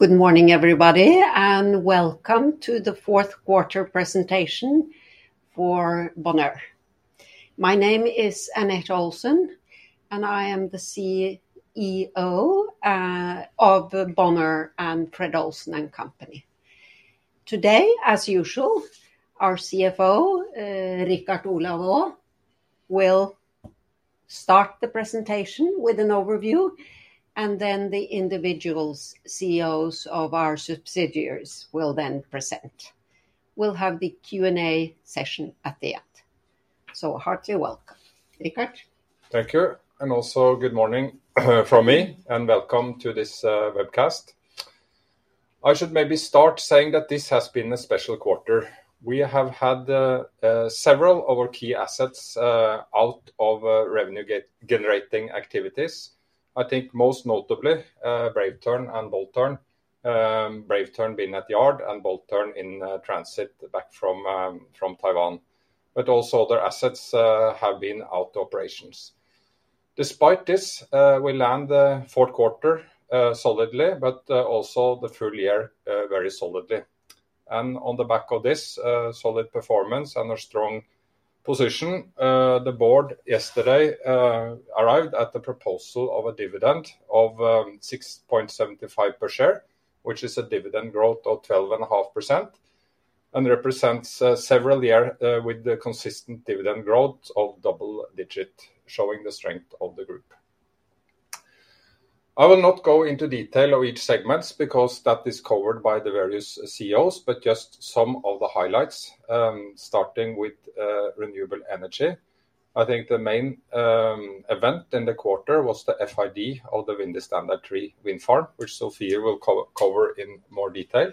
Good morning, everybody, and Welcome to the Fourth Quarter Presentation for Bonheur. My name is Anette Olsen, and I am the CEO of Bonheur and Fred. Olsen & Co. Today, as usual, our CFO, Richard Olav Aa, will start the presentation with an overview, and then the individual CEOs of our subsidiaries will then present. We'll have the Q&A session at the end. So heartily welcome, Richard. Thank you. And also good morning from me, and welcome to this webcast. I should maybe start saying that this has been a special quarter. We have had several of our key assets out of revenue-generating activities. I think most notably, Brave Tern and Bold Tern, Brave Tern being at the yard and Bold Tern in transit back from Taiwan. But also other assets have been out of operations. Despite this, we land the fourth quarter solidly, but also the full year very solidly. And on the back of this solid performance and a strong position, the board yesterday arrived at the proposal of a dividend of 6.75 per share, which is a dividend growth of 12.5% and represents several years with the consistent dividend growth of double digits, showing the strength of the group. I will not go into detail of each segment because that is covered by the various CEOs, but just some of the highlights, starting with renewable energy. I think the main event in the quarter was the FID of the Windy Standard III wind farm, which Sofie will cover in more detail.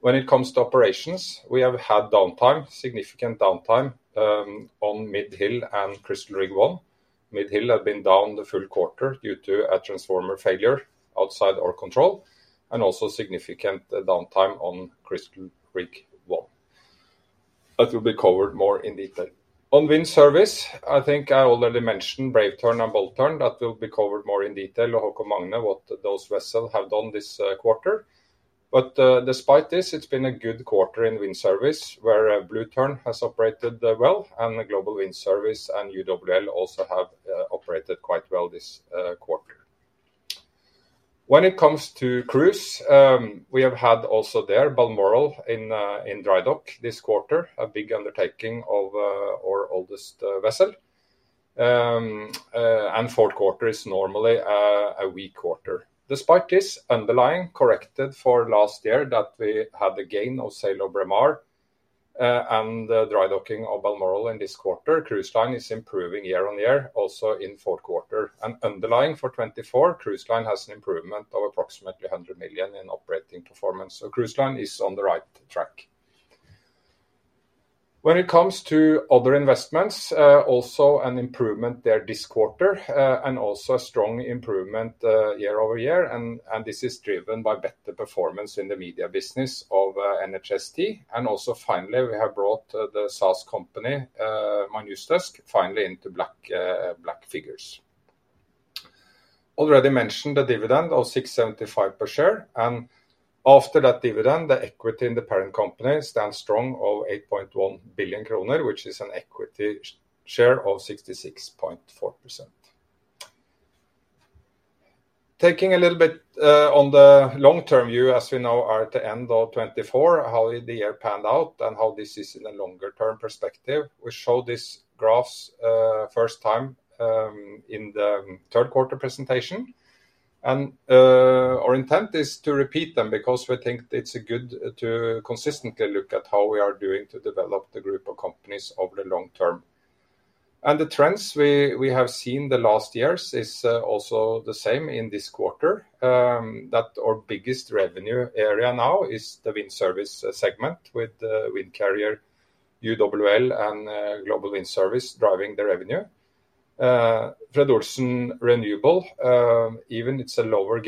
When it comes to operations, we have had downtime, significant downtime on Mid Hill and Crystal Rig I. Mid Hill had been down the full quarter due to a transformer failure outside our control, and also significant downtime on Crystal Rig I. That will be covered more in detail. On wind service, I think I already mentioned Brave Tern and Bold Tern. That will be covered more in detail with Haakon Magne what those vessels have done this quarter. But despite this, it's been a good quarter in wind service where Blue Tern has operated well, and Global Wind Service and UWL also have operated quite well this quarter. When it comes to cruise, we have had also there Balmoral in dry dock this quarter, a big undertaking of our oldest vessel. And fourth quarter is normally a weak quarter. Despite this, underlying corrected for last year that we had the gain on sale of Braemar and the dry-docking of Balmoral in this quarter, Cruise Line is improving year on year, also in fourth quarter. And underlying for 2024, Cruise Line has an improvement of approximately 100 million in operating performance. So Cruise Line is on the right track. When it comes to other investments, also an improvement there this quarter, and also a strong improvement year over year. And this is driven by better performance in the media business of NHST. And also finally, we have brought the SaaS company, Mynewsdesk, finally into black figures. Already mentioned the dividend of 6.75 per share. And after that dividend, the equity in the parent company stands strong of 8.1 billion kroner, which is an equity share of 66.4%. Taking a little bit on the long-term view, as we know at the end of 2024, how did the year pan out and how this is in a longer-term perspective. We showed these graphs first time in the third quarter presentation. And our intent is to repeat them because we think it's good to consistently look at how we are doing to develop the group of companies over the long term. And the trends we have seen the last years is also the same in this quarter. That our biggest revenue area now is the Wind Service segment with the Wind Carrier UWL and Global Wind Service driving the revenue. Fred. Olsen Renewables, even its lower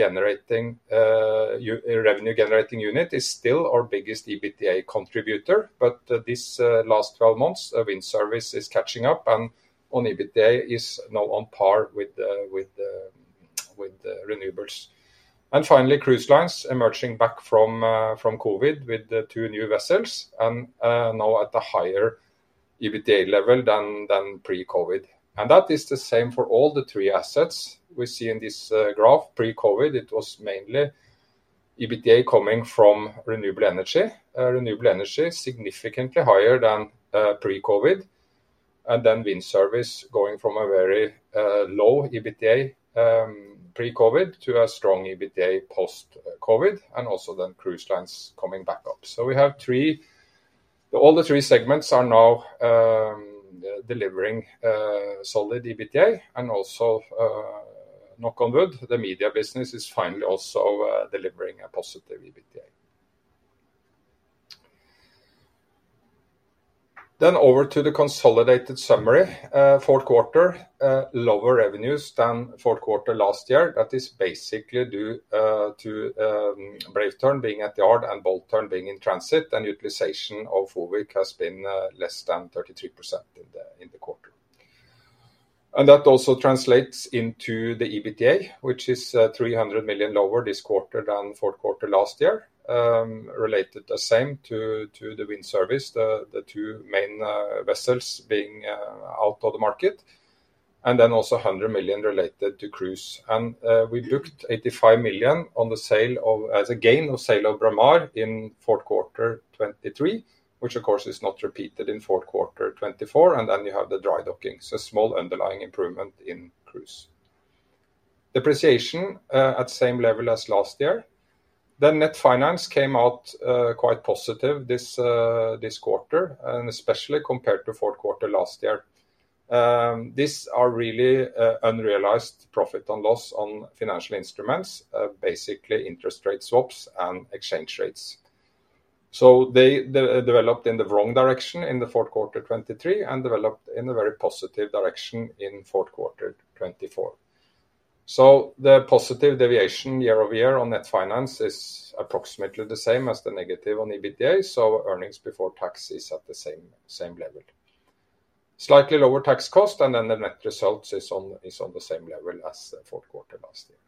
revenue-generating unit, is still our biggest EBITDA contributor. But these last 12 months, Wind Service is catching up, and on EBITDA is now on par with renewables. And finally, Cruise Lines is emerging back from COVID with two new vessels and now at a higher EBITDA level than pre-COVID. And that is the same for all the three assets we see in this graph. Pre-COVID, it was mainly EBITDA coming from renewable energy. Renewable energy is significantly higher than pre-COVID. And then Wind Service going from a very low EBITDA pre-COVID to a strong EBITDA post-COVID, and also then Cruise Lines coming back up. We have all three segments now delivering solid EBITDA, and also knock on wood, the media business is finally also delivering a positive EBITDA. Then over to the consolidated summary. Fourth quarter revenues were lower than fourth quarter last year. That is basically due to Brave Tern being at the yard and Bold Tern being in transit. Utilization of FOWIC has been less than 33% in the quarter. That also translates into the EBITDA, which is 300 million lower this quarter than fourth quarter last year, related the same to the wind service, the two main vessels being out of the market. Then also 100 million related to cruise. We booked 85 million on the sale of, as a gain of Braemar in fourth quarter 2023, which of course is not repeated in fourth quarter 2024. And then you have the dry-docking, so small underlying improvement in cruise. Depreciation at the same level as last year. Then net finance came out quite positive this quarter, and especially compared to fourth quarter last year. These are really unrealized profit and loss on financial instruments, basically interest rate swaps and exchange rates. So they developed in the wrong direction in the fourth quarter 2023 and developed in a very positive direction in fourth quarter 2024. So the positive deviation year over year on net finance is approximately the same as the negative on EBITDA. So earnings before tax is at the same level. Slightly lower tax cost, and then the net results is on the same level as the fourth quarter last year.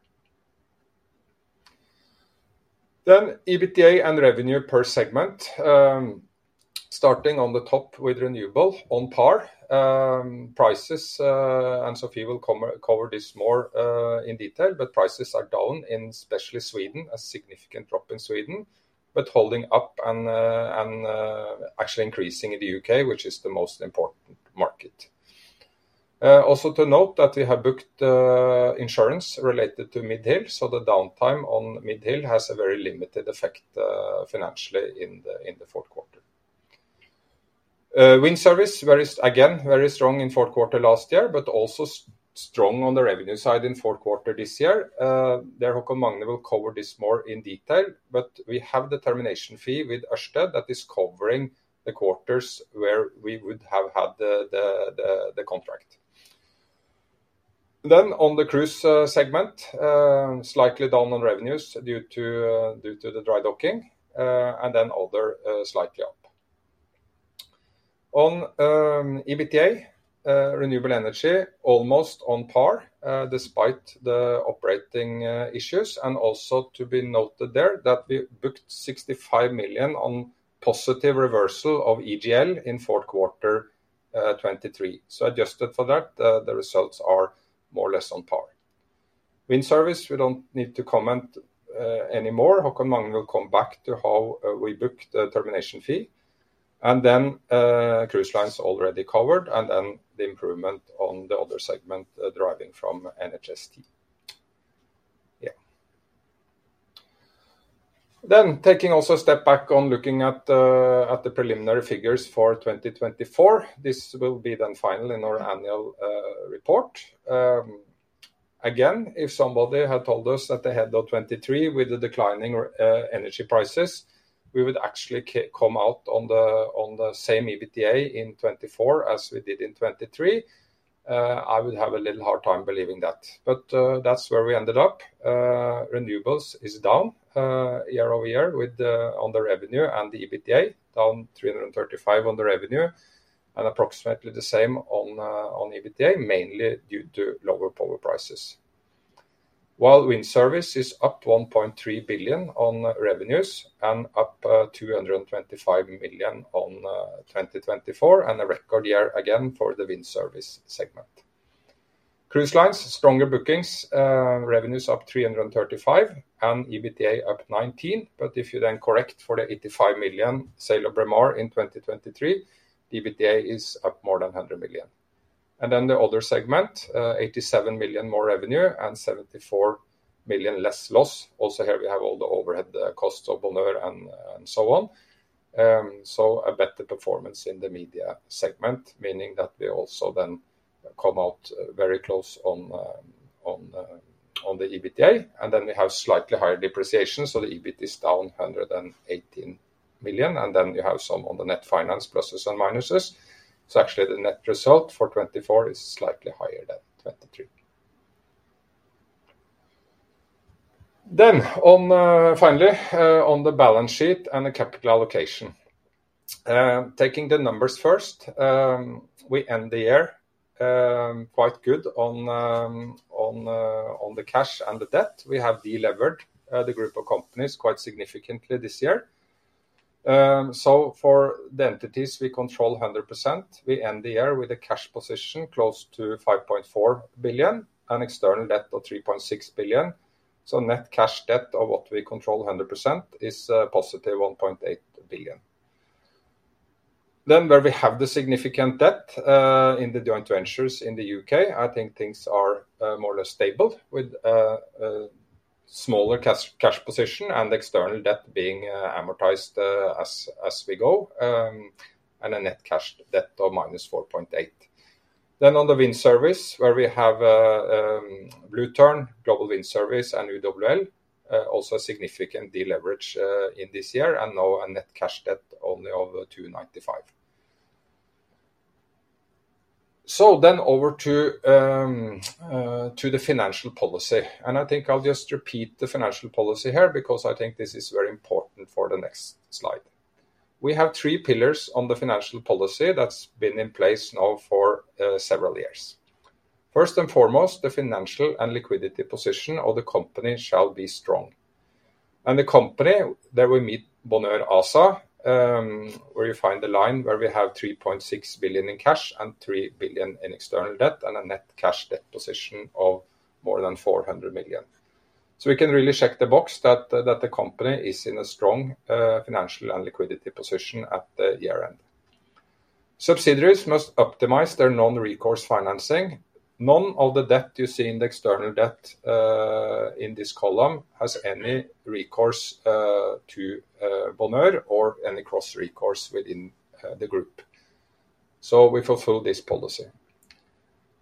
Then EBITDA and revenue per segment, starting on the top with renewable, on par. Prices, and Sofie will cover this more in detail, but prices are down in especially Sweden, a significant drop in Sweden, but holding up and actually increasing in the U.K., which is the most important market. Also to note that we have booked insurance related to Mid Hill. So the downtime on Mid Hill has a very limited effect financially in the fourth quarter. Wind service was again very strong in fourth quarter last year, but also strong on the revenue side in fourth quarter this year. There Haakon Magne will cover this more in detail, but we have the termination fee with Ørsted that is covering the quarters where we would have had the contract. Then on the cruise segment, slightly down on revenues due to the drydocking, and then other slightly up. On EBITDA, renewable energy almost on par despite the operating issues. And also to be noted there that we booked 65 million on positive reversal of EGL in fourth quarter 2023. So adjusted for that, the results are more or less on par. Wind service, we don't need to comment anymore. Haakon Magne will come back to how we booked the termination fee. And then Cruise Line's already covered, and then the improvement on the other segment driving from NHST. Yeah. Then taking also a step back on looking at the preliminary figures for 2024, this will be then final in our annual report. Again, if somebody had told us at the head of 2023 with the declining energy prices, we would actually come out on the same EBITDA in 2024 as we did in 2023, I would have a little hard time believing that. But that's where we ended up. Renewables is down year over year with the revenue and the EBITDA, down 335 million on the revenue, and approximately the same on EBITDA, mainly due to lower power prices. While wind service is up 1.3 billion on revenues and up 225 million on 2024, and a record year again for the wind service segment. Cruise Lines' stronger bookings, revenues up 335 million and EBITDA up 19 million. But if you then correct for the 85 million sale of Braemar in 2023, EBITDA is up more than 100 million. And then the other segment, 87 million more revenue and 74 million less loss. Also here we have all the overhead costs of Bonheur and so on. So a better performance in the media segment, meaning that we also then come out very close on the EBITDA. And then we have slightly higher depreciation, so the EBIT is down 118 million. And then you have some on the net finance pluses and minuses. So actually the net result for 2024 is slightly higher than 2023. Then finally on the balance sheet and the capital allocation. Taking the numbers first, we end the year quite good on the cash and the debt. We have delivered the group of companies quite significantly this year. So for the entities we control 100%, we end the year with a cash position close to 5.4 billion and external debt of 3.6 billion. So net cash debt of what we control 100% is positive 1.8 billion. Then where we have the significant debt in the joint ventures in the U.K., I think things are more or less stable with smaller cash position and external debt being amortized as we go, and a net cash debt of minus 4.8 billion. Then, on the wind service, where we have Blue Tern, Global Wind Service, and UWL, also a significant deleverage in this year and now a net cash debt only of 295 million. So then over to the financial policy. And I think I'll just repeat the financial policy here because I think this is very important for the next slide. We have three pillars on the financial policy that's been in place now for several years. First and foremost, the financial and liquidity position of the company shall be strong. And the company, there we meet Bonheur ASA, where you find the line where we have 3.6 billion in cash and 3 billion in external debt and a net cash debt position of more than 400 million. So we can really check the box that the company is in a strong financial and liquidity position at the year end. Subsidiaries must optimize their non-recourse financing. None of the debt you see in the external debt in this column has any recourse to Bonheur or any cross recourse within the group. So we fulfill this policy.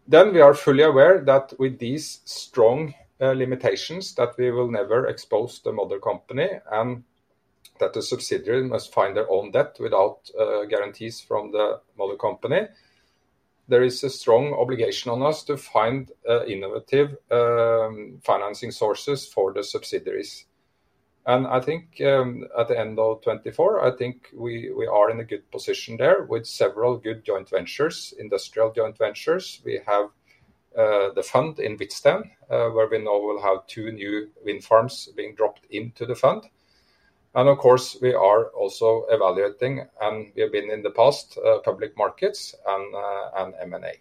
Then we are fully aware that with these strong limitations that we will never expose the mother company and that the subsidiary must find their own debt without guarantees from the mother company. There is a strong obligation on us to find innovative financing sources for the subsidiaries. And I think at the end of 2024, I think we are in a good position there with several good joint ventures, industrial joint ventures. We have the fund in Hvitsten where we know we'll have two new wind farms being dropped into the fund. And of course, we are also evaluating and we have been in the past public markets and M&A.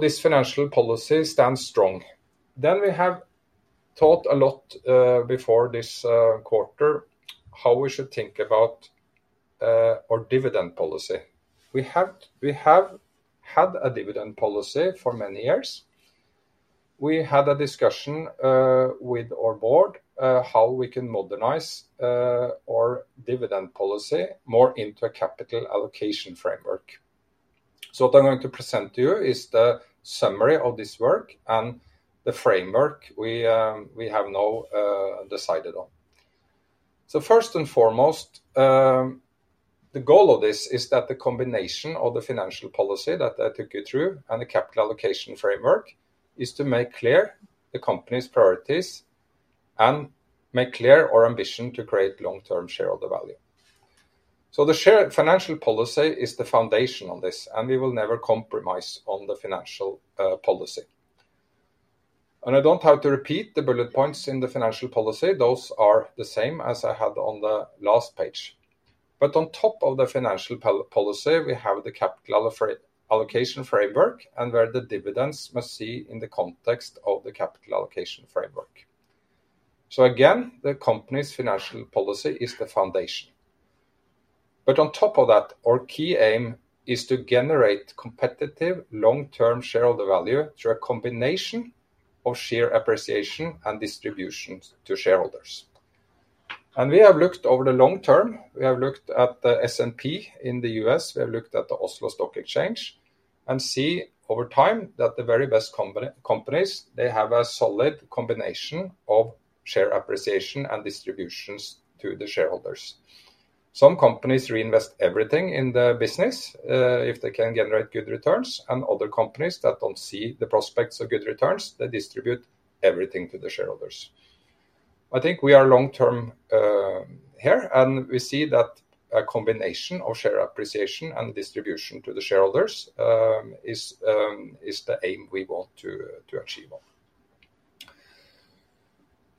This financial policy stands strong. We have talked a lot before this quarter how we should think about our dividend policy. We have had a dividend policy for many years. We had a discussion with our board how we can modernize our dividend policy more into a capital allocation framework. What I'm going to present to you is the summary of this work and the framework we have now decided on. First and foremost, the goal of this is that the combination of the financial policy that I took you through and the capital allocation framework is to make clear the company's priorities and make clear our ambition to create long-term shareholder value. The financial policy is the foundation on this, and we will never compromise on the financial policy, and I don't have to repeat the bullet points in the financial policy. Those are the same as I had on the last page. But on top of the financial policy, we have the capital allocation framework and where the dividends must be seen in the context of the capital allocation framework. So again, the company's financial policy is the foundation. But on top of that, our key aim is to generate competitive long-term shareholder value through a combination of share appreciation and distributions to shareholders. And we have looked over the long term. We have looked at the S&P in the U.S. We have looked at the Oslo Stock Exchange and we see over time that the very best companies, they have a solid combination of share appreciation and distributions to the shareholders. Some companies reinvest everything in the business if they can generate good returns, and other companies that don't see the prospects of good returns, they distribute everything to the shareholders. I think we are long-term here, and we see that a combination of share appreciation and distribution to the shareholders is the aim we want to achieve.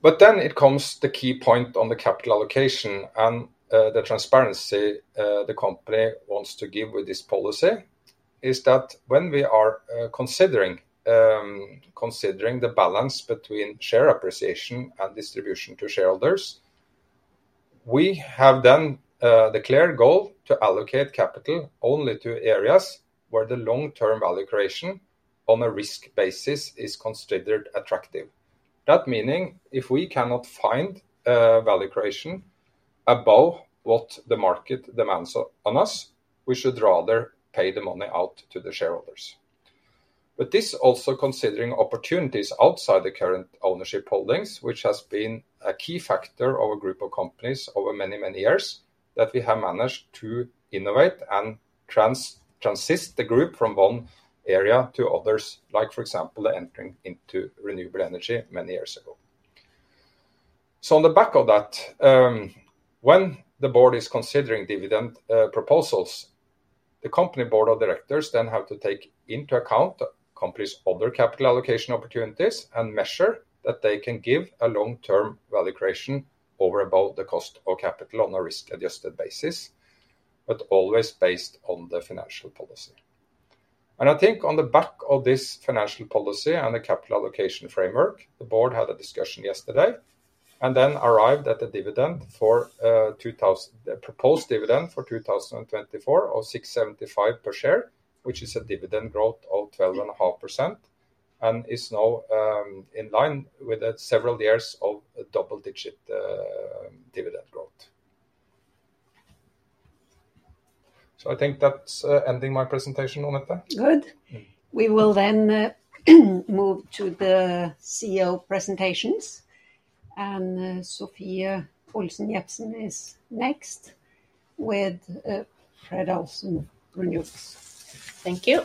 But then it comes to the key point on the capital allocation and the transparency the company wants to give with this policy is that when we are considering the balance between share appreciation and distribution to shareholders, we have then the clear goal to allocate capital only to areas where the long-term value creation on a risk basis is considered attractive. That meaning if we cannot find value creation above what the market demands on us, we should rather pay the money out to the shareholders. But this also considering opportunities outside the current ownership holdings, which has been a key factor of a group of companies over many, many years that we have managed to innovate and transit the group from one area to others, like for example, the entering into renewable energy many years ago. So on the back of that, when the board is considering dividend proposals, the company board of directors then have to take into account the company's other capital allocation opportunities and measure that they can give a long-term value creation over about the cost of capital on a risk-adjusted basis, but always based on the financial policy. I think on the back of this financial policy and the capital allocation framework, the board had a discussion yesterday and then arrived at the proposed dividend for 2024 of 675 per share, which is a dividend growth of 12.5% and is now in line with several years of double-digit dividend growth. I think that's ending my presentation, Anette. Good. We will then move to the CEO presentations. Sofie Olsen Jebsen is next with Fred. Olsen Renewables. Thank you.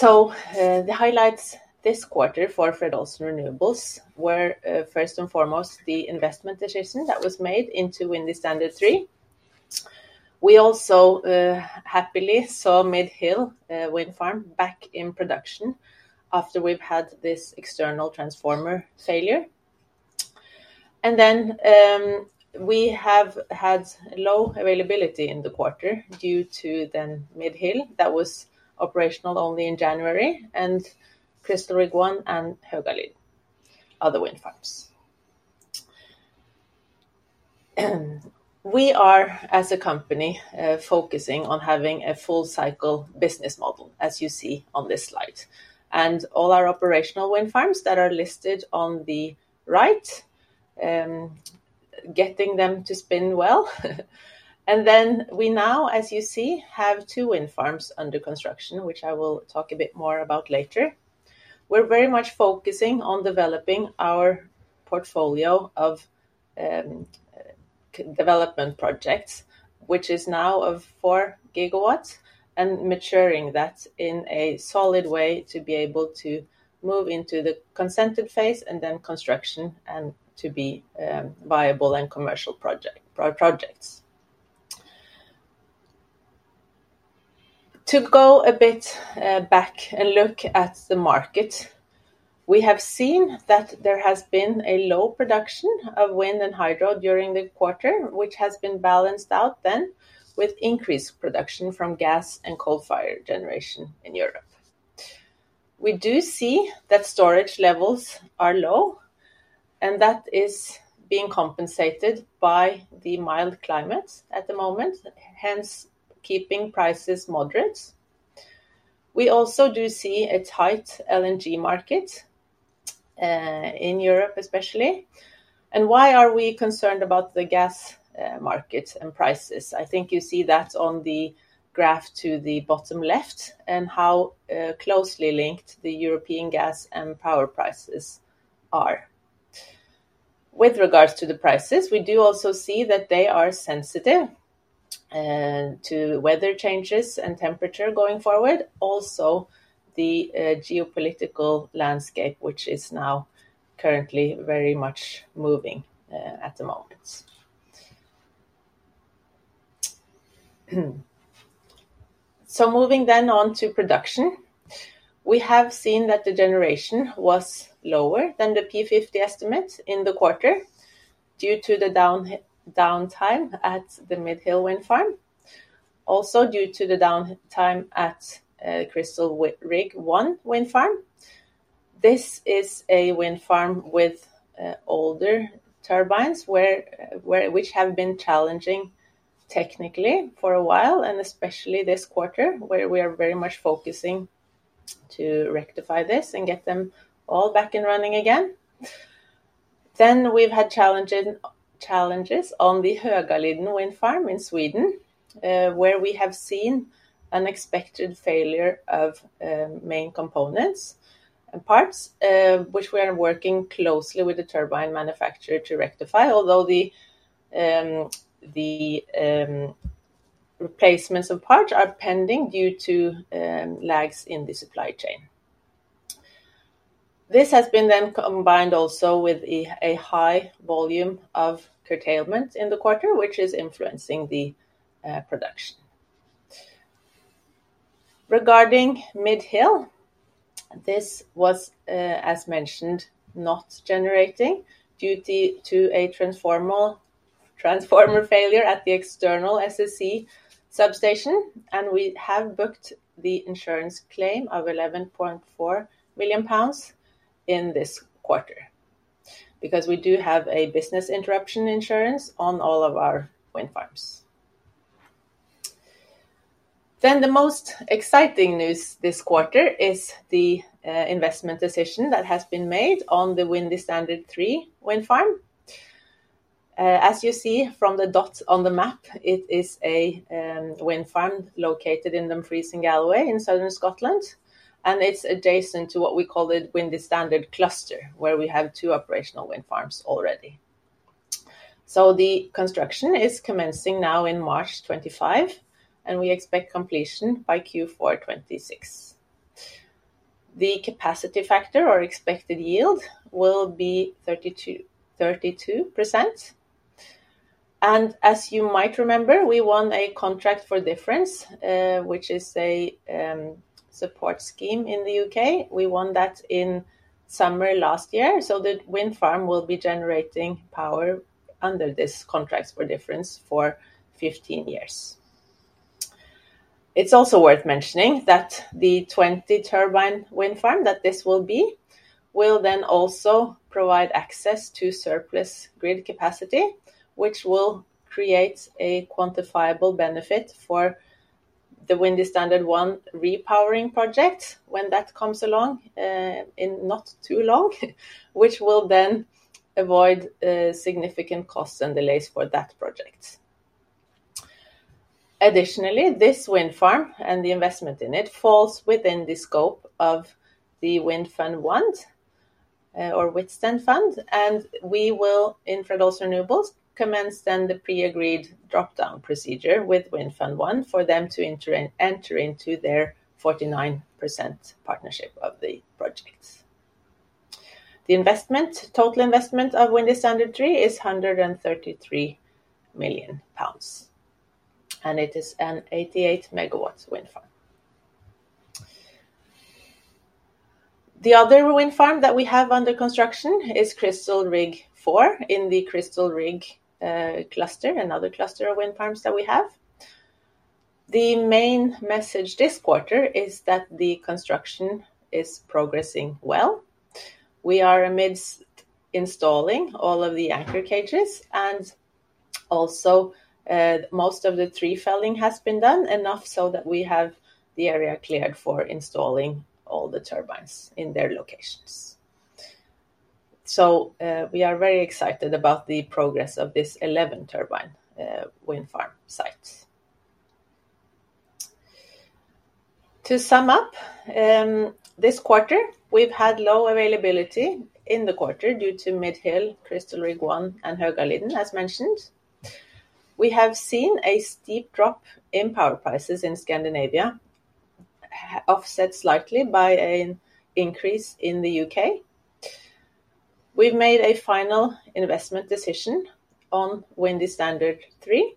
The highlights this quarter for Fred. Olsen Renewables were first and foremost the investment decision that was made into Windy Standard III. We also happily saw Mid Hill Wind Farm back in production after we've had this external transformer failure. And then we have had low availability in the quarter due to the Mid Hill that was operational only in January and Crystal Rig I and Högaliden, other wind farms. We are, as a company, focusing on having a full-cycle business model as you see on this slide. And all our operational wind farms that are listed on the right, getting them to spin well. And then we now, as you see, have two wind farms under construction, which I will talk a bit more about later. We are very much focusing on developing our portfolio of development projects, which is now of 4 GW and maturing that in a solid way to be able to move into the consented phase and then construction and to be viable and commercial projects. To go a bit back and look at the market, we have seen that there has been a low production of wind and hydro during the quarter, which has been balanced out then with increased production from gas and coal-fired generation in Europe. We do see that storage levels are low and that is being compensated by the mild climate at the moment, hence keeping prices moderate. We also do see a tight LNG market in Europe especially. And why are we concerned about the gas market and prices? I think you see that on the graph to the bottom left and how closely linked the European gas and power prices are. With regards to the prices, we do also see that they are sensitive to weather changes and temperature going forward. Also the geopolitical landscape, which is now currently very much moving at the moment. So moving then on to production, we have seen that the generation was lower than the P50 estimate in the quarter due to the downtime at the Mid Hill Wind Farm. Also due to the downtime at Crystal Rig I Wind Farm. This is a wind farm with older turbines which have been challenging technically for a while and especially this quarter where we are very much focusing to rectify this and get them all back in running again. Then we've had challenges on the Högaliden wind farm in Sweden where we have seen unexpected failure of main components and parts, which we are working closely with the turbine manufacturer to rectify, although the replacements of parts are pending due to lags in the supply chain. This has been then combined also with a high volume of curtailment in the quarter, which is influencing the production. Regarding Mid Hill, this was, as mentioned, not generating due to a transformer failure at the external SSE substation, and we have booked the insurance claim of 11.4 million pounds in this quarter because we do have a business interruption insurance on all of our wind farms. The most exciting news this quarter is the investment decision that has been made on the Windy Standard III wind farm. As you see from the dots on the map, it is a wind farm located in the Galloway in southern Scotland, and it's adjacent to what we call the Windy Standard cluster where we have two operational wind farms already. The construction is commencing now in March 2025, and we expect completion by Q4 2026. The capacity factor or expected yield will be 32%. And as you might remember, we won a Contract for Difference, which is a support scheme in the U.K. We won that in summer last year. So the wind farm will be generating power under this Contract for Difference for 15 years. It's also worth mentioning that the 20 turbine wind farm that this will be will then also provide access to surplus grid capacity, which will create a quantifiable benefit for the Windy Standard I repowering project when that comes along in not too long, which will then avoid significant costs and delays for that project. Additionally, this wind farm and the investment in it falls within the scope of the Wind Fund I or its twin fund, and we will in Fred. Olsen Renewables commence then the pre-agreed dropdown procedure with Wind Fund I for them to enter into their 49% partnership of the projects. The investment, total investment of Windy Standard III is 133 million pounds, and it is an 88-megawatt wind farm. The other wind farm that we have under construction is Crystal Rig IV in the Crystal Rig cluster, another cluster of wind farms that we have. The main message this quarter is that the construction is progressing well. We are amidst installing all of the anchor cages and also most of the tree felling has been done enough so that we have the area cleared for installing all the turbines in their locations. So we are very excited about the progress of this 11-turbine wind farm site. To sum up, this quarter we've had low availability in the quarter due to Mid Hill, Crystal Rig I, and Högaliden, as mentioned. We have seen a steep drop in power prices in Scandinavia, offset slightly by an increase in the UK. We've made a final investment decision on Windy Standard III,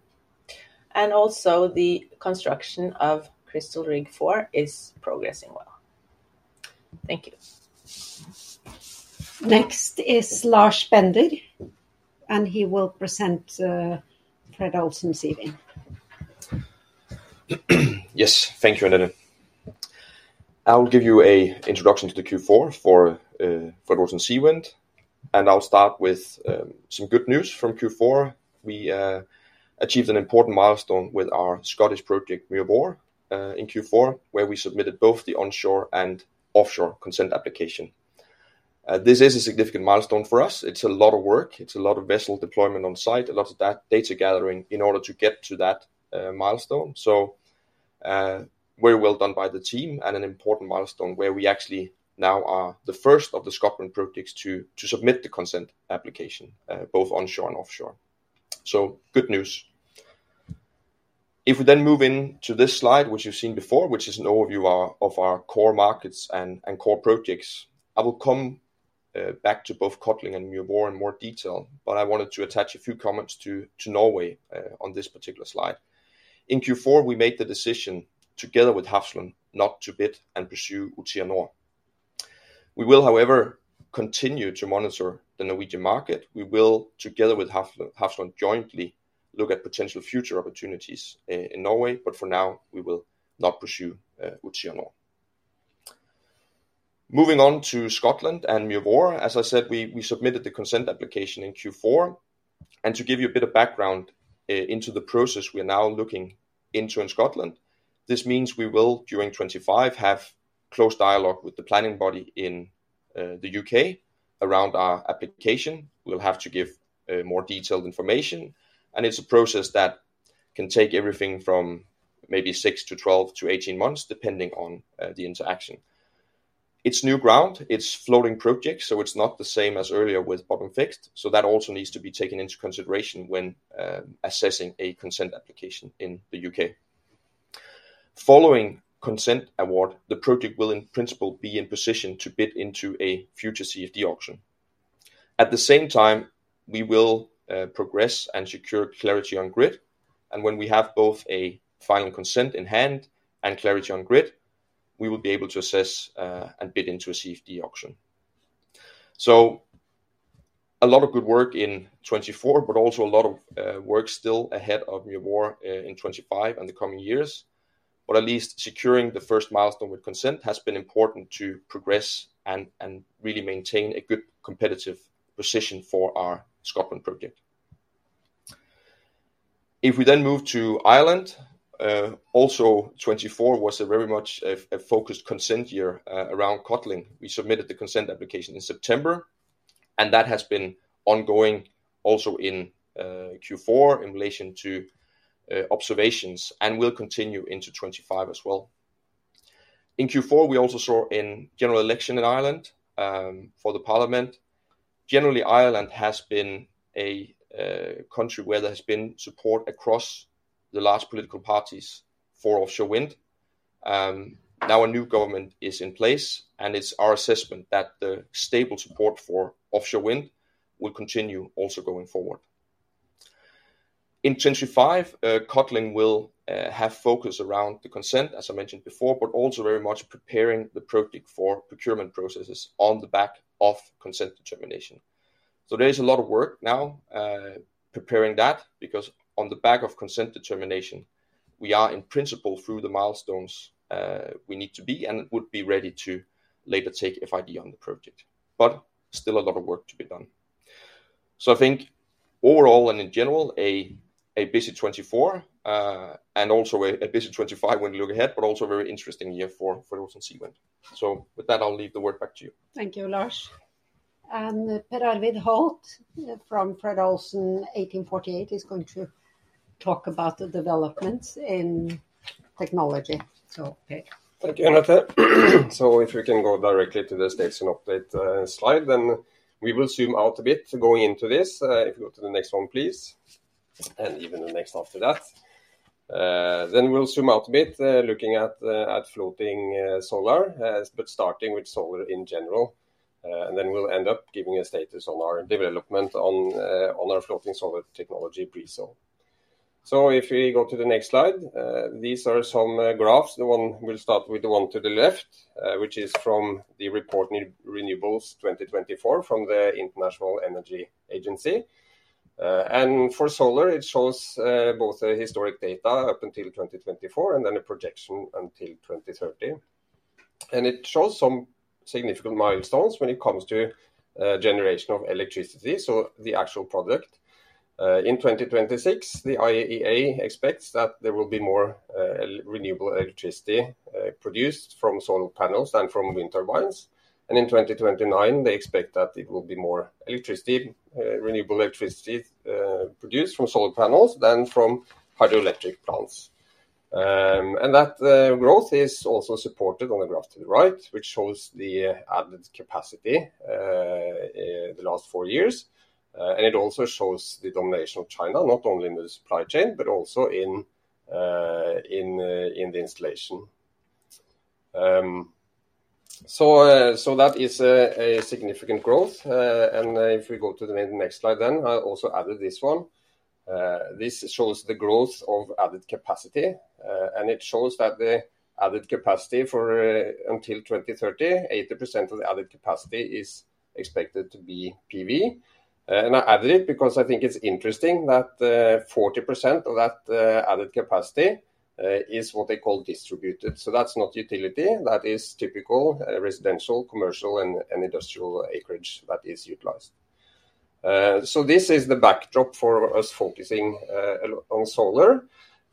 and also the construction of Crystal Rig IV is progressing well. Thank you. Next is Lars Bender, and he will present Fred. Olsen Seawind. Yes, thank you, Anette. I'll give you an introduction to the Q4 for Fred. Olsen Seawind, and I'll start with some good news from Q4. We achieved an important milestone with our Scottish project, Muir Mhòr, in Q4, where we submitted both the onshore and offshore consent application. This is a significant milestone for us. It's a lot of work. It's a lot of vessel deployment on site, a lot of data gathering in order to get to that milestone. So very well done by the team and an important milestone where we actually now are the first of the Scotland projects to submit the consent application, both onshore and offshore. So good news. If we then move into this slide, which you've seen before, which is an overview of our core markets and core projects, I will come back to both Codling and Muir Mhòr in more detail, but I wanted to attach a few comments to Norway on this particular slide. In Q4, we made the decision together with Hafslund not to bid and pursue Utsira Nord. We will, however, continue to monitor the Norwegian market. We will, together with Hafslund, jointly look at potential future opportunities in Norway, but for now, we will not pursue Utsira Nord. Moving on to Scotland and Muir Mhòr, as I said, we submitted the consent application in Q4. And to give you a bit of background into the process we are now looking into in Scotland, this means we will, during 2025, have close dialogue with the planning body in the UK around our application. We'll have to give more detailed information, and it's a process that can take everything from maybe 6 to 12 to 18 months, depending on the interaction. It's new ground. It's floating projects, so it's not the same as earlier with bottom fixed. So that also needs to be taken into consideration when assessing a consent application in the U.K. Following consent award, the project will, in principle, be in position to bid into a future CFD auction. At the same time, we will progress and secure clarity on grid. And when we have both a final consent in hand and clarity on grid, we will be able to assess and bid into a CFD auction. So a lot of good work in 2024, but also a lot of work still ahead of Muir Mhòr in 2025 and the coming years. At least securing the first milestone with consent has been important to progress and really maintain a good competitive position for our Scotland project. If we then move to Ireland, also 2024 was a very much focused consent year around Codling. We submitted the consent application in September, and that has been ongoing also in Q4 in relation to observations and will continue into 2025 as well. In Q4, we also saw a general election in Ireland for the parliament. Generally, Ireland has been a country where there has been support across all the political parties for offshore wind. Now a new government is in place, and it's our assessment that the stable support for offshore wind will continue also going forward. In 2025, Codling will have focus around the consent, as I mentioned before, but also very much preparing the project for procurement processes on the back of consent determination. So there is a lot of work now preparing that because on the back of consent determination, we are in principle through the milestones we need to be and would be ready to later take FID on the project, but still a lot of work to be done. So I think overall and in general, a busy 2024 and also a busy 2025 when we look ahead, but also a very interesting year for Fred. Olsen Seawind. So with that, I'll leave the word back to you. Thank you, Lars. And Per Arvid Holth from Fred. Olsen 1848 is going to talk about the developments in technology. So thank you, Anette. If you can go directly to the section update slide, then we will zoom out a bit going into this. If you go to the next one, please, and even the next after that, then we'll zoom out a bit looking at floating solar, but starting with solar in general, and then we'll end up giving a status on our development on our floating solar technology BRISO. If we go to the next slide, these are some graphs. The one we'll start with, the one to the left, which is from the report Renewables 2024 from the International Energy Agency. For solar, it shows both historic data up until 2024 and then a projection until 2030. It shows some significant milestones when it comes to generation of electricity, so the actual product. In 2026, the IEA expects that there will be more renewable electricity produced from solar panels than from wind turbines. And in 2029, they expect that it will be more renewable electricity produced from solar panels than from hydroelectric plants. And that growth is also supported on the graph to the right, which shows the added capacity in the last four years. And it also shows the domination of China, not only in the supply chain, but also in the installation. So that is a significant growth. And if we go to the next slide, then I also added this one. This shows the growth of added capacity, and it shows that the added capacity for until 2030, 80% of the added capacity is expected to be PV. And I added it because I think it's interesting that 40% of that added capacity is what they call distributed. So that's not utility. That is typical residential, commercial, and industrial acreage that is utilized. So this is the backdrop for us focusing on solar.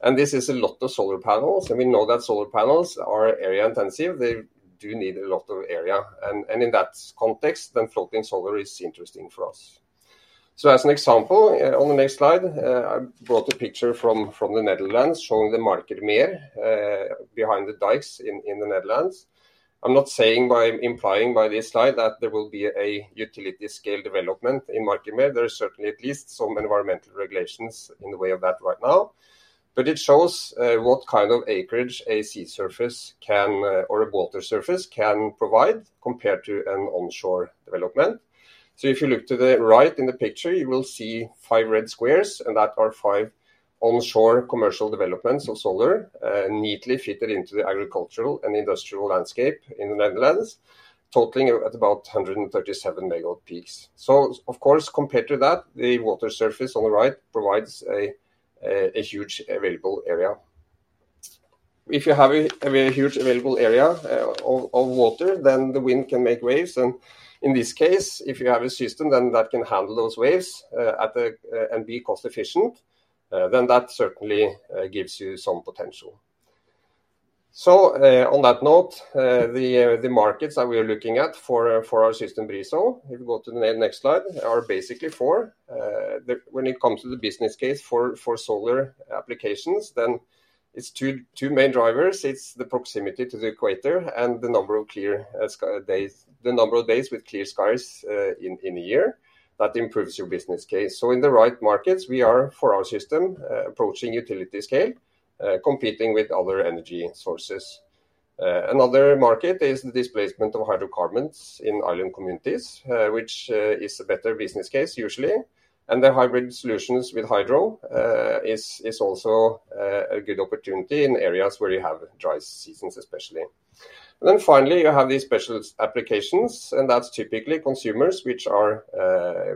And this is a lot of solar panels. And we know that solar panels are area intensive. They do need a lot of area. And in that context, then floating solar is interesting for us. So as an example, on the next slide, I brought a picture from the Netherlands showing the Markermeer behind the dikes in the Netherlands. I'm not saying by implying by this slide that there will be a utility scale development in Markermeer. There is certainly at least some environmental regulations in the way of that right now. But it shows what kind of acreage a sea surface can or a water surface can provide compared to an onshore development. If you look to the right in the picture, you will see five red squares, and those are five onshore commercial developments of solar neatly fitted into the agricultural and industrial landscape in the Netherlands, totaling about 137 megawatt peaks. Of course, compared to that, the water surface on the right provides a huge available area. If you have a huge available area of water, then the wind can make waves. In this case, if you have a system then that can handle those waves and be cost-efficient, then that certainly gives you some potential. On that note, the markets that we are looking at for our system BRISO, if you go to the next slide, are basically four. When it comes to the business case for solar applications, then it's two main drivers. It's the proximity to the equator and the number of clear days, the number of days with clear skies in a year. That improves your business case. So in the right markets, we are for our system approaching utility scale, competing with other energy sources. Another market is the displacement of hydrocarbons in island communities, which is a better business case usually. And the hybrid solutions with hydro is also a good opportunity in areas where you have dry seasons, especially. And then finally, you have these special applications, and that's typically consumers which are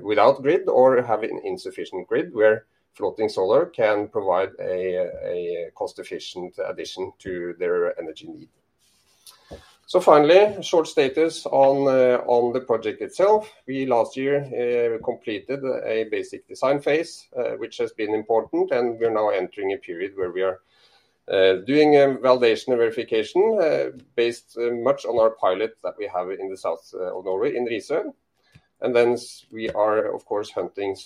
without grid or have an insufficient grid where floating solar can provide a cost-efficient addition to their energy need. So finally, short status on the project itself. We last year completed a basic design phase, which has been important, and we're now entering a period where we are doing a validation and verification based much on our pilot that we have in the south of Norway in Risør. And then we are, of course, hunting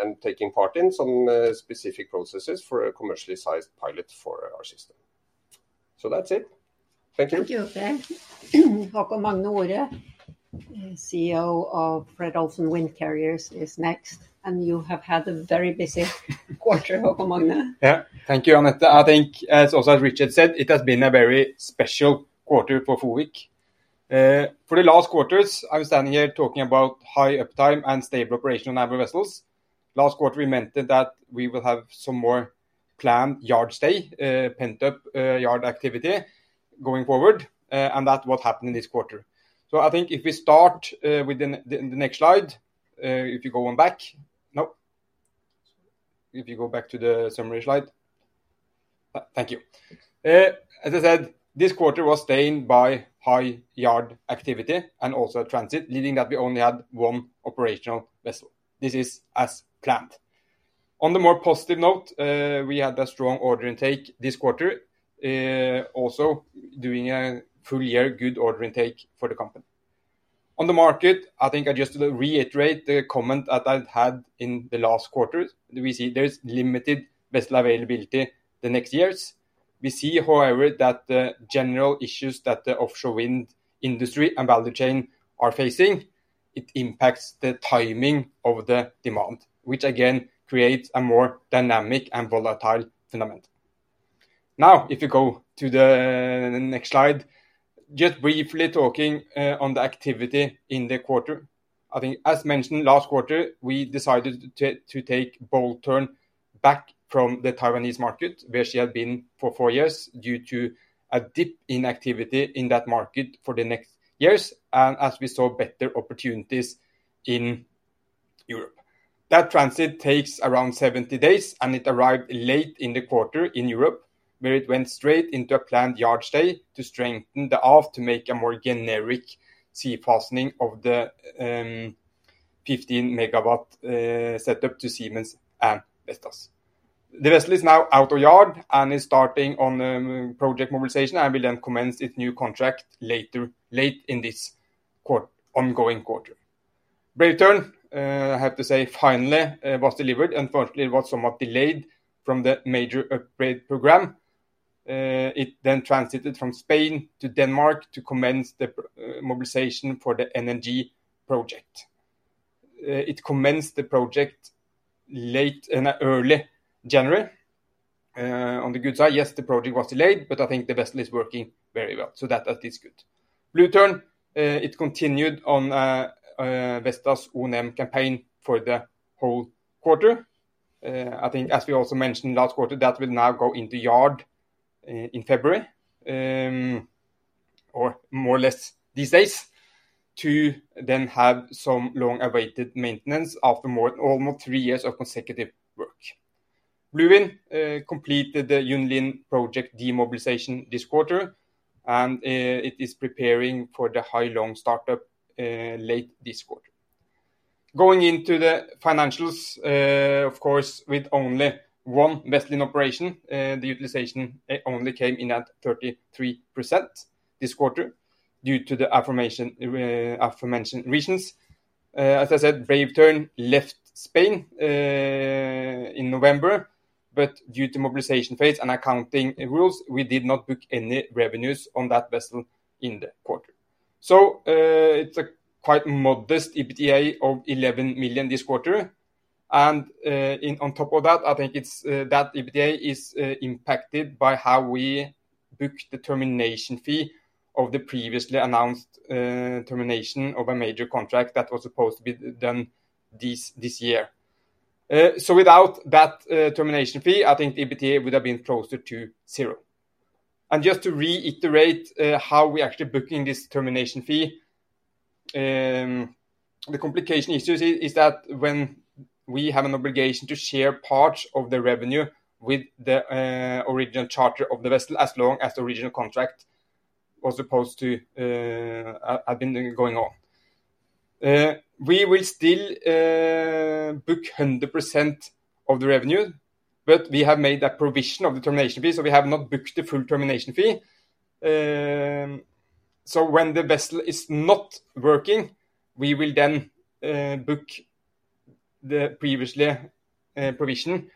and taking part in some specific processes for a commercially sized pilot for our system. So that's it. Thank you. Thank you, Per, Haakon Magne Ore, CEO of Fred. Olsen Windcarrier, is next. And you have had a very busy quarter, Haakon Magne. Yeah, thank you, Anette. I think, as Richard said, it has been a very special quarter for FOWIC. For the last quarters, I was standing here talking about high uptime and stable operation on our vessels. Last quarter, we mentioned that we will have some more planned yard stay, pent-up yard activity going forward, and that's what happened in this quarter. So I think if we start with the next slide. If you go back to the summary slide. Thank you. As I said, this quarter was marked by high yard activity and also transit, leading that we only had one operational vessel. This is as planned. On the more positive note, we had a strong order intake this quarter, also doing a full year good order intake for the company. On the market, I think I just reiterate the comment that I had in the last quarter. We see there's limited vessel availability the next years. We see, however, that the general issues that the offshore wind industry and value chain are facing impact the timing of the demand, which again creates a more dynamic and volatile foundation. Now, if you go to the next slide, just briefly talking on the activity in the quarter. I think, as mentioned last quarter, we decided to take Bold Tern back from the Taiwanese market, where she had been for four years due to a dip in activity in that market for the next years, and as we saw better opportunities in Europe. That transit takes around 70 days, and it arrived late in the quarter in Europe, where it went straight into a planned yard stay to strengthen the aft to make a more generic sea fastening of the 15-megawatt setup to Siemens and Vestas. The vessel is now out of yard and is starting on project mobilization, and will then commence its new contract late in this ongoing quarter. Brave Tern, I have to say, finally was delivered. Unfortunately, it was somewhat delayed from the major upgrade program. It then transited from Spain to Denmark to commence the mobilization for the NNG project. It commenced the project late December and early January. On the good side, yes, the project was delayed, but I think the vessel is working very well. So that is good. Blue Tern, it continued on Vestas O & M campaign for the whole quarter. I think, as we also mentioned last quarter, that will now go into yard in February or more or less these days to then have some long-awaited maintenance after almost three years of consecutive work. Blue Wind completed the Yunlin project demobilization this quarter, and it is preparing for the Hai Long startup late this quarter. Going into the financials, of course, with only one vessel in operation, the utilization only came in at 33% this quarter due to the aforementioned reasons. As I said, Brave Tern left Spain in November, but due to mobilization phase and accounting rules, we did not book any revenues on that vessel in the quarter. So it's a quite modest EBITDA of 11 million this quarter. And on top of that, I think that EBITDA is impacted by how we booked the termination fee of the previously announced termination of a major contract that was supposed to be done this year. So without that termination fee, I think the EBITDA would have been closer to zero. Just to reiterate how we actually booking this termination fee, the complication issue is that when we have an obligation to share parts of the revenue with the original charter of the vessel as long as the original contract was supposed to have been going on, we will still book 100% of the revenue, but we have made that provision of the termination fee, so we have not booked the full termination fee. When the vessel is not working, we will then book the previously provision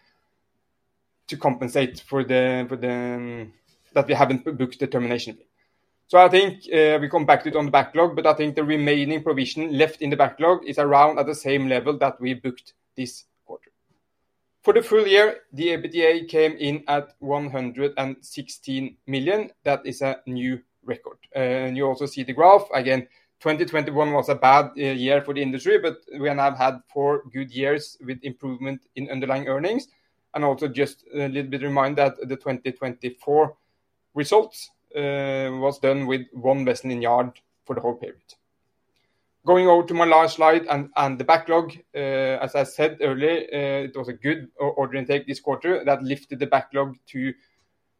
to compensate for that we haven't booked the termination fee. I think we come back to it on the backlog, but I think the remaining provision left in the backlog is around at the same level that we booked this quarter. For the full year, the EBITDA came in at 116 million. That is a new record. And you also see the graph. Again, 2021 was a bad year for the industry, but we have had four good years with improvement in underlying earnings. And also just a little bit remind that the 2024 results was done with one vessel in yard for the whole period. Going over to my last slide and the backlog, as I said earlier, it was a good order intake this quarter that lifted the backlog to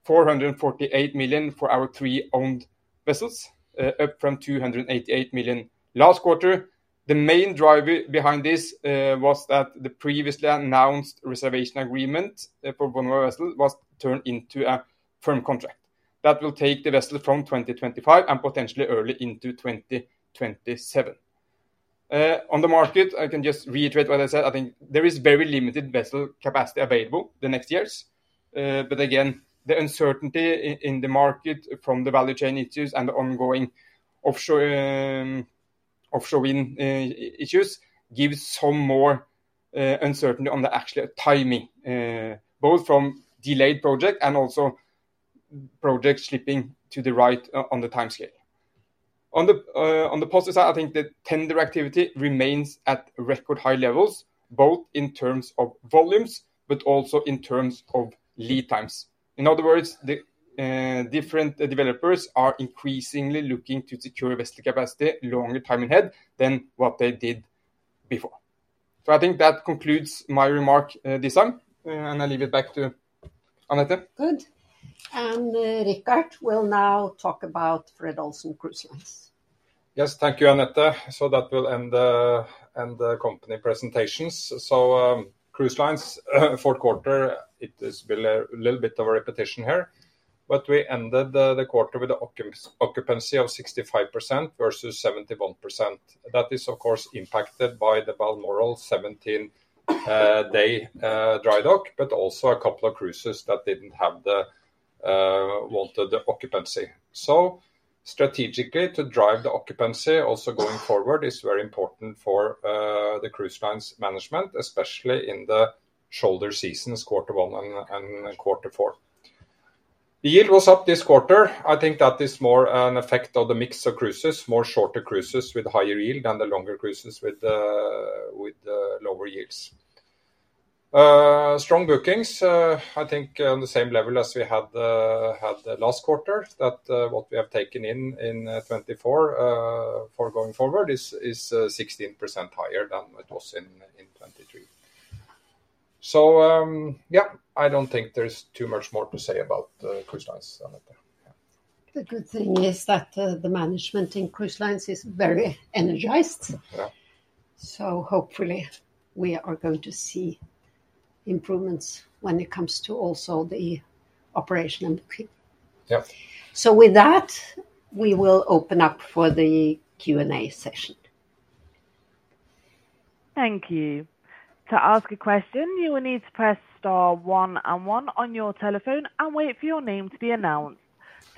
448 million for our three owned vessels, up from 288 million last quarter. The main driver behind this was that the previously announced reservation agreement for one of our vessels was turned into a firm contract that will take the vessel from 2025 and potentially early into 2027. On the market, I can just reiterate what I said. I think there is very limited vessel capacity available the next years. But again, the uncertainty in the market from the value chain issues and the ongoing offshore wind issues gives some more uncertainty on the actual timing, both from delayed project and also project slipping to the right on the timescale. On the positive side, I think the tender activity remains at record high levels, both in terms of volumes, but also in terms of lead times. In other words, the different developers are increasingly looking to secure vessel capacity longer time ahead than what they did before. So I think that concludes my remark this time, and I leave it back to Anette. Good. And Richard will now talk about Fred. Olsen Cruise Lines. Yes, thank you, Anette. So that will end the company presentations. Cruise Lines, fourth quarter, it will be a little bit of a repetition here, but we ended the quarter with an occupancy of 65% versus 71%. That is, of course, impacted by the Balmoral 17-day dry dock, but also a couple of cruises that didn't have the wanted occupancy. Strategically, to drive the occupancy also going forward is very important for the cruise lines management, especially in the shoulder seasons, quarter one and quarter four. The yield was up this quarter. I think that is more an effect of the mix of cruises, more shorter cruises with higher yield than the longer cruises with lower yields. Strong bookings, I think on the same level as we had last quarter, that what we have taken in in 2024 for going forward is 16% higher than it was in 2023. So yeah, I don't think there's too much more to say about Cruise Lines, Anette. The good thing is that the management in Cruise Lines is very energized. So hopefully we are going to see improvements when it comes to also the operation and booking. So with that, we will open up for the Q&A session. Thank you. To ask a question, you will need to press star one and one on your telephone and wait for your name to be announced.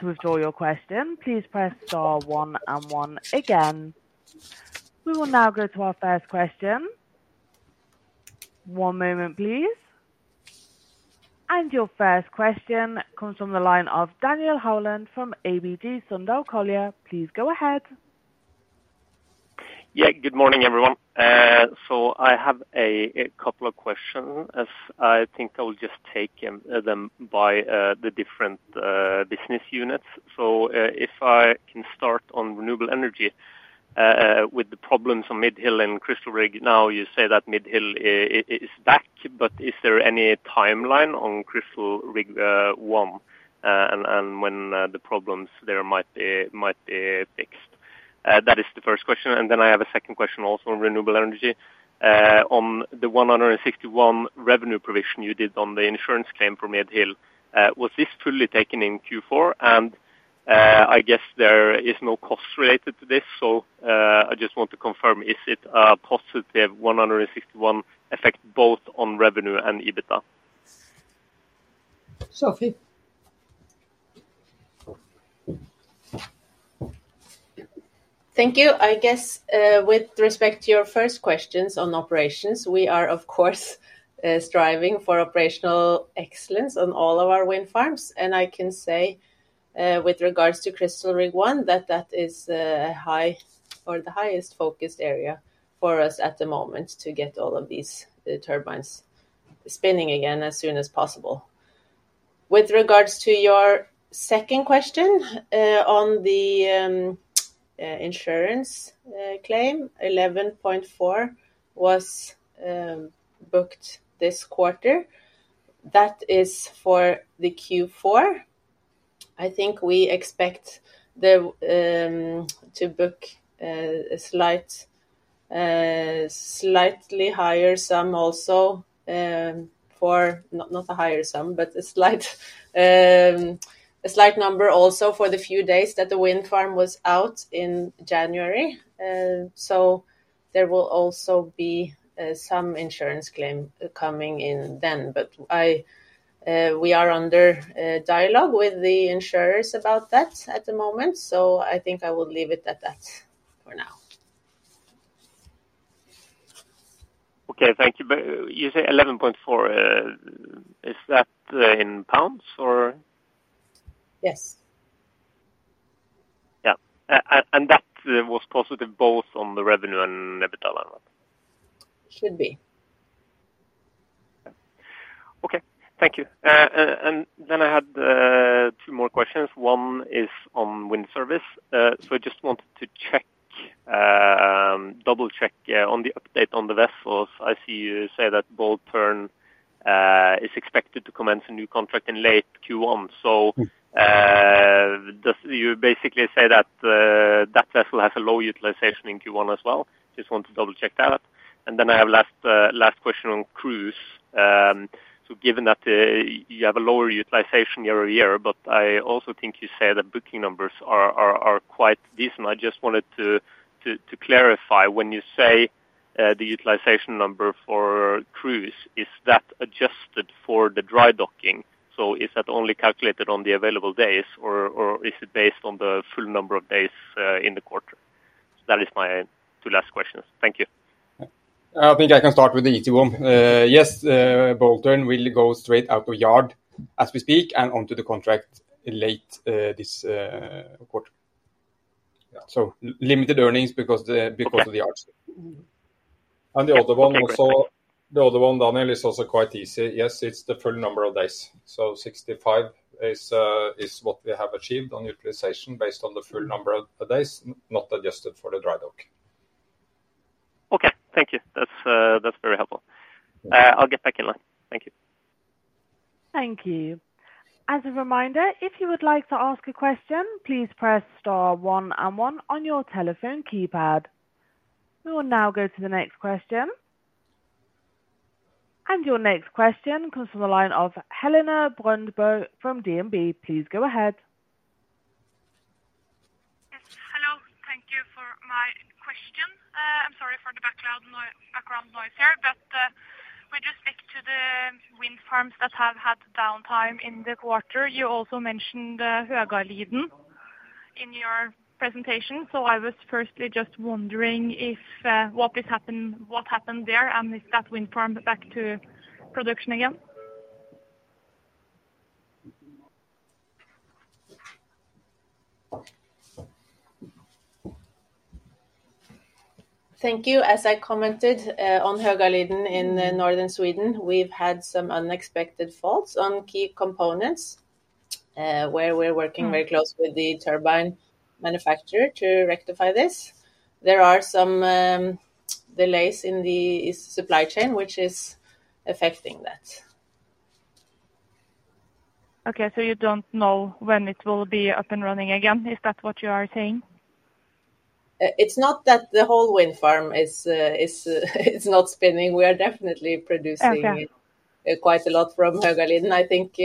To withdraw your question, please press star one and one again. We will now go to our first question. One moment, please. And your first question comes from the line of Daniel Haugland from ABG Sundal Collier. Please go ahead. Yeah, good morning, everyone. So I have a couple of questions. I think I will just take them by the different business units. If I can start on renewable energy with the problems on Mid Hill and Crystal Rig now, you say that Mid Hill is back, but is there any timeline on Crystal Rig I and when the problems there might be fixed? That is the first question. And then I have a second question also on renewable energy. On the 161 revenue provision you did on the insurance claim for Mid Hill, was this fully taken in Q4? And I guess there is no cost related to this, so I just want to confirm, is it a positive 161 effect both on revenue and EBITDA? Sofie. Thank you. I guess with respect to your first questions on operations, we are, of course, striving for operational excellence on all of our wind farms. And I can say with regards to Crystal Rig one, that that is the highest focused area for us at the moment to get all of these turbines spinning again as soon as possible. With regards to your second question on the insurance claim, 11.4 was booked this quarter. That is for the Q4. I think we expect to book a slightly higher sum also for not a higher sum, but a slight number also for the few days that the wind farm was out in January. So there will also be some insurance claim coming in then. But we are in dialogue with the insurers about that at the moment. So I think I will leave it at that for now. Okay, thank you. You say 11.4. Is that in pounds or? Yes. Yeah. And that was positive both on the revenue and EBITDA line? Should be. Okay. Thank you. Then I had two more questions. One is on wind service. I just wanted to double-check on the update on the vessels. I see you say that Bold Tern is expected to commence a new contract in late Q1. You basically say that that vessel has a low utilization in Q1 as well. Just want to double-check that. Then I have last question on cruise. Given that you have a lower utilization year over year, but I also think you said that booking numbers are quite decent. I just wanted to clarify when you say the utilization number for cruise, is that adjusted for the dry docking? Is that only calculated on the available days, or is it based on the full number of days in the quarter? That is my two last questions. Thank you. I think I can start with the ET1. Yes, Bold Tern will go straight out of yard as we speak and onto the contract late this quarter. So limited earnings because of the yards. And the other one also, the other one, Daniel, is also quite easy. Yes, it's the full number of days. So 65 is what we have achieved on utilization based on the full number of days, not adjusted for the dry dock. Okay. Thank you. That's very helpful. I'll get back in line. Thank you. Thank you. As a reminder, if you would like to ask a question, please press star one and one on your telephone keypad. We will now go to the next question. And your next question comes from the line of Helene Kvilhaug Brøndbo from DNB Markets. Please go ahead. Hello. Thank you for my question. I'm sorry for the background noise here, but we just stick to the wind farms that have had downtime in the quarter. You also mentioned Högaliden in your presentation. So I was firstly just wondering what happened there and if that wind farm is back to production again. Thank you. As I commented on Högaliden in northern Sweden, we've had some unexpected faults on key components where we're working very close with the turbine manufacturer to rectify this. There are some delays in the supply chain, which is affecting that. Okay. So you don't know when it will be up and running again. Is that what you are saying? It's not that the whole wind farm is not spinning. We are definitely producing quite a lot from Högaliden. I think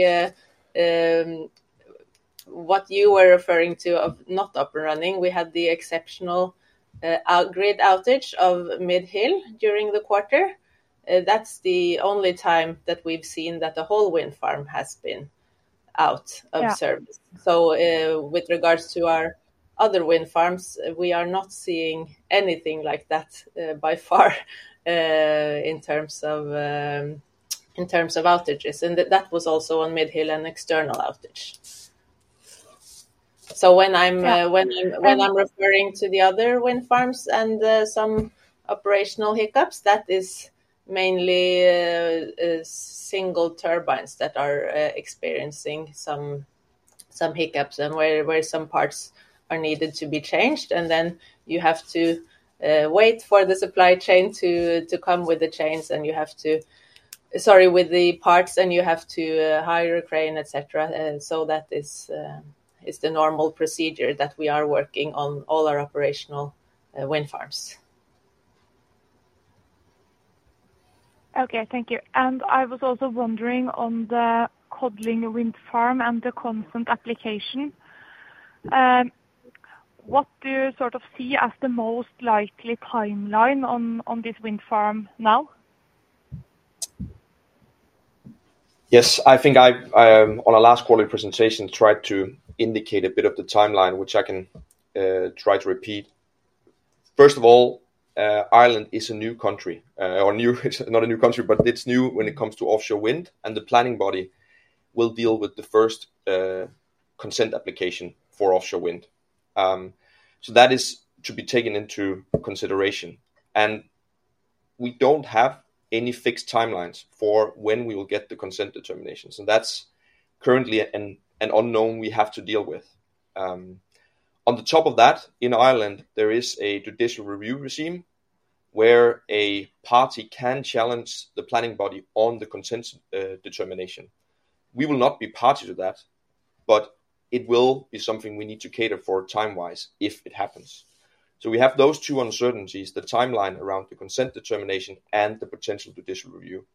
what you were referring to of not up and running, we had the exceptional grid outage of Mid Hill during the quarter. That's the only time that we've seen that the whole wind farm has been out of service, so with regards to our other wind farms, we are not seeing anything like that by far in terms of outages, and that was also on Mid Hill and external outage. So when I'm referring to the other wind farms and some operational hiccups, that is mainly single turbines that are experiencing some hiccups and where some parts are needed to be changed, and then you have to wait for the supply chain to come with the chains and you have to, sorry, with the parts and you have to hire a crane, etc. So that is the normal procedure that we are working on all our operational wind farms. Okay. Thank you, and I was also wondering on the Codling Wind Park and the consent application. What do you sort of see as the most likely timeline on this wind farm now? Yes. I think on our last quarterly presentation, I tried to indicate a bit of the timeline, which I can try to repeat. First of all, Ireland is a new country. Or new, it's not a new country, but it's new when it comes to offshore wind. And the planning body will deal with the first consent application for offshore wind. So that is to be taken into consideration. And we don't have any fixed timelines for when we will get the consent determinations. And that's currently an unknown we have to deal with. On top of that, in Ireland, there is a judicial review regime where a party can challenge the planning body on the consent determination. We will not be party to that, but it will be something we need to cater for time-wise if it happens. So we have those two uncertainties, the timeline around the consent determination and the potential judicial review.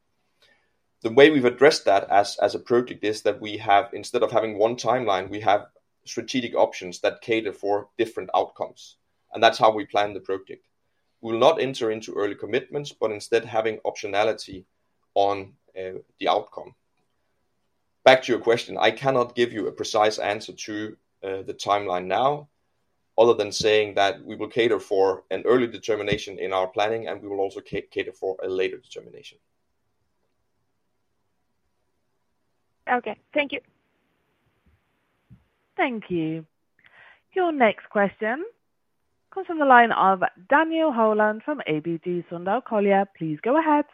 The way we've addressed that as a project is that we have, instead of having one timeline, we have strategic options that cater for different outcomes, and that's how we plan the project. We will not enter into early commitments, but instead having optionality on the outcome. Back to your question, I cannot give you a precise answer to the timeline now other than saying that we will cater for an early determination in our planning, and we will also cater for a later determination. Okay. Thank you. Thank you. Your next question comes from the line of Daniel Haugland from ABG Sundal Collier. Please go ahead.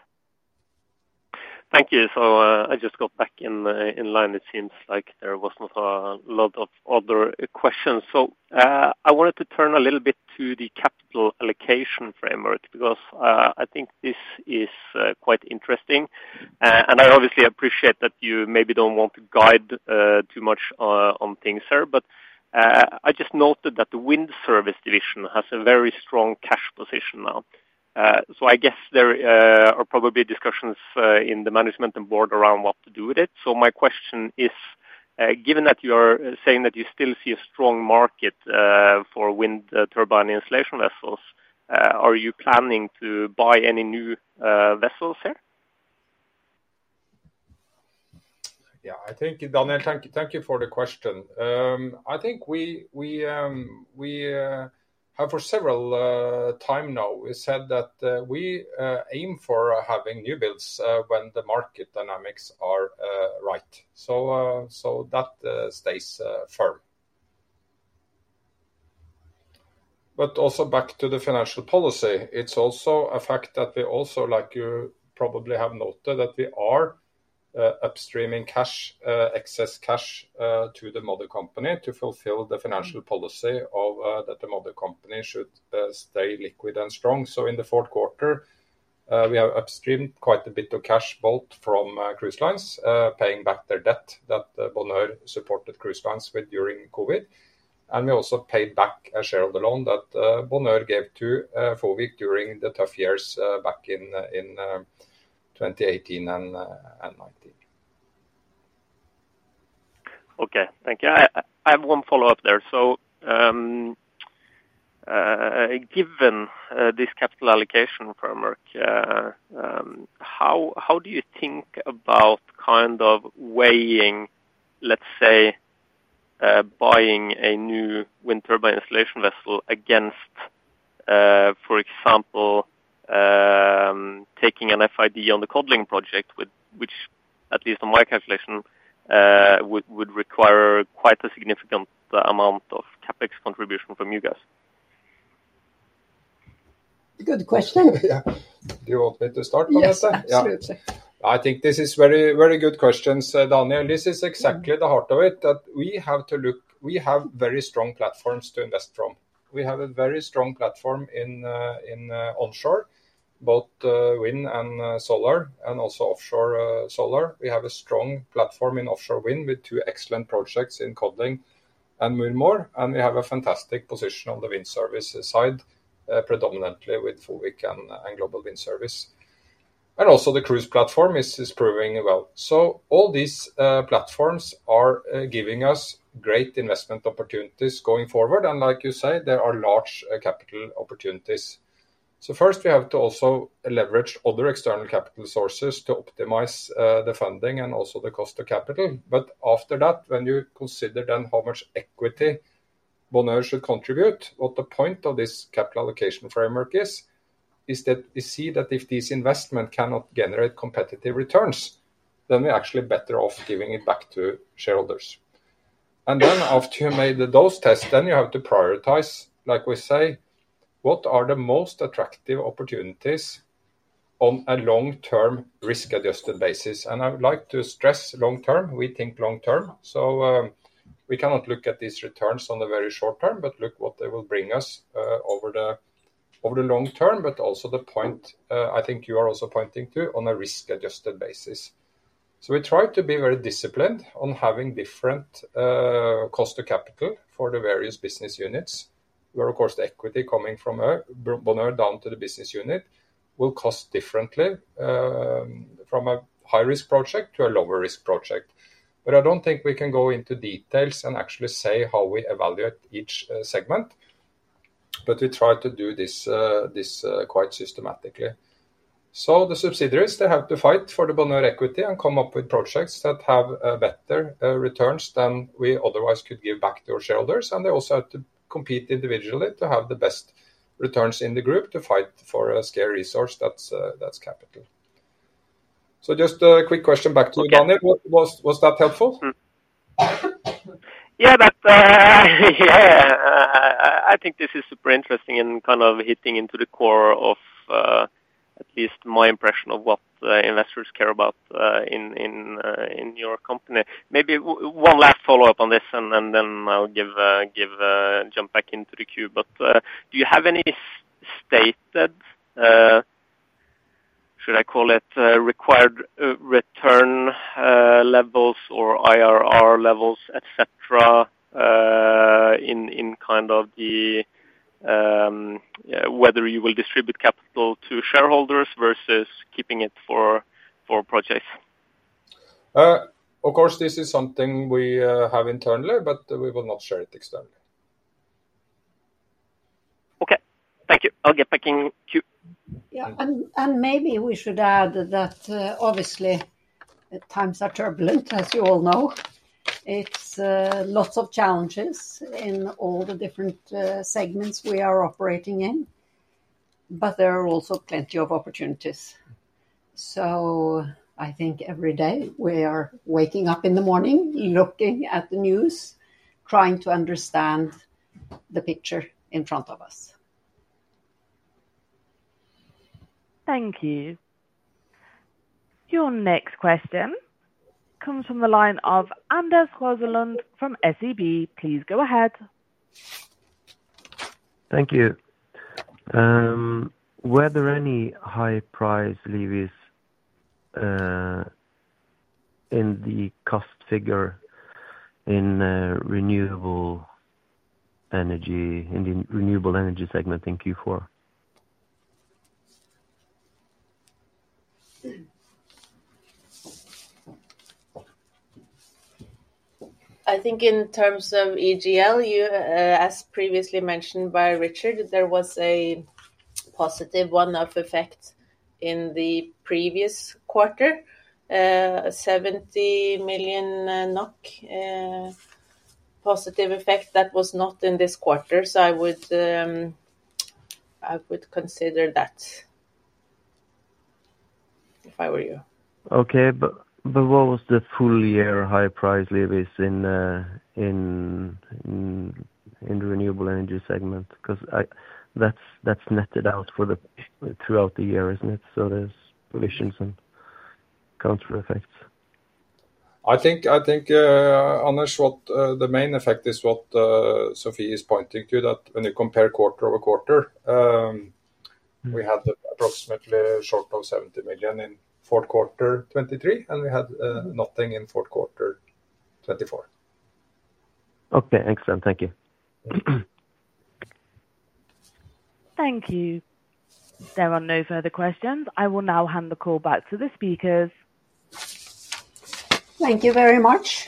Thank you. So I just got back in line. It seems like there wasn't a lot of other questions. So I wanted to turn a little bit to the capital allocation framework because I think this is quite interesting. And I obviously appreciate that you maybe don't want to guide too much on things here, but I just noted that the Wind Service division has a very strong cash position now. So I guess there are probably discussions in the management and board around what to do with it. So my question is, given that you are saying that you still see a strong market for wind turbine installation vessels, are you planning to buy any new vessels here? Yeah. I think, Daniel, thank you for the question. I think we have for several times now, we said that we aim for having new builds when the market dynamics are right. So that stays firm. But also back to the financial policy, it's also a fact that we also, like you probably have noted, that we are upstreaming excess cash to the mother company to fulfill the financial policy that the mother company should stay liquid and strong. So in the fourth quarter, we have upstreamed quite a bit of cash both from Cruise Lines paying back their debt that Bonheur supported Cruise Lines with during COVID. And we also paid back a share of the loan that Bonheur gave to FOWIC during the tough years back in 2018 and 2019. Okay. Thank you. I have one follow-up there. So given this capital allocation framework, how do you think about kind of weighing, let's say, buying a new wind turbine installation vessel against, for example, taking an FID on the Codling project, which at least on my calculation would require quite a significant amount of CapEx contribution from you guys? Good question. Yeah. Do you want me to start on that? Yeah. Absolutely. I think this is very good questions, Daniel. This is exactly the heart of it, that we have very strong platforms to invest from. We have a very strong platform in onshore, both wind and solar, and also offshore solar. We have a strong platform in offshore wind with two excellent projects in Codling and Muir Mhòr, and we have a fantastic position on the wind service side, predominantly with FOWIC and Global Wind Service. And also the cruise platform is proving well. So all these platforms are giving us great investment opportunities going forward. And like you say, there are large capital opportunities. So first, we have to also leverage other external capital sources to optimize the funding and also the cost of capital. But after that, when you consider then how much equity Bonheur should contribute, what the point of this capital allocation framework is, is that we see that if these investments cannot generate competitive returns, then we're actually better off giving it back to shareholders. And then after you made those tests, then you have to prioritize, like we say, what are the most attractive opportunities on a long-term risk-adjusted basis. And I would like to stress long-term. We think long-term. So we cannot look at these returns on the very short term, but look what they will bring us over the long term, but also the point I think you are also pointing to on a risk-adjusted basis. So we try to be very disciplined on having different cost of capital for the various business units. Where, of course, the equity coming from Bonheur down to the business unit will cost differently from a high-risk project to a lower-risk project. But I don't think we can go into details and actually say how we evaluate each segment. But we try to do this quite systematically. So the subsidiaries, they have to fight for the Bonheur equity and come up with projects that have better returns than we otherwise could give back to our shareholders. And they also have to compete individually to have the best returns in the group to fight for a scarce resource that's capital. So just a quick question back to you, Daniel. Was that helpful? Yeah. I think this is super interesting and kind of hitting into the core of at least my impression of what investors care about in your company. Maybe one last follow-up on this, and then I'll jump back into the queue. But do you have any stated, should I call it, required return levels or IRR levels, etc., in kind of whether you will distribute capital to shareholders versus keeping it for projects? Of course, this is something we have internally, but we will not share it externally. Okay. Thank you. I'll get back in queue. Yeah. And maybe we should add that, obviously, times are turbulent, as you all know. It's lots of challenges in all the different segments we are operating in, but there are also plenty of opportunities. So I think every day we are waking up in the morning, looking at the news, trying to understand the picture in front of us. Thank you. Your next question comes from the line of Anders Rosenlund from SEB. Please go ahead. Thank you. Were there any high-price levies in the cost figure in renewable energy in the Renewable Energy segment in Q4? I think in terms of EGL, as previously mentioned by Richard, there was a positive one-off effect in the previous quarter, 70 million NOK positive effect that was not in this quarter. So I would consider that if I were you. Okay. But what was the full-year high-price levies in the Renewable Energy segment? Because that's netted out throughout the year, isn't it? So, there's provisions and counter effects. I think, Anders, the main effect is what Sofie is pointing to, that when you compare quarter over quarter, we had approximately short of 70 million in fourth quarter 2023, and we had nothing in fourth quarter 2024. Okay. Excellent. Thank you. Thank you. There are no further questions. I will now hand the call back to the speakers. Thank you very much.